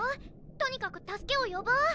とにかく助けを呼ぼう！